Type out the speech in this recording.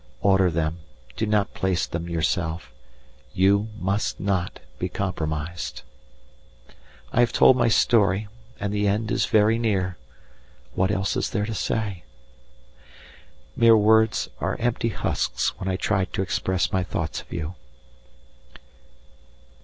Order them, do not place them yourself; you must not be compromised. I have told my story, and the end is very near. What else is there to say? Mere words are empty husks when I try to express my thoughts of you.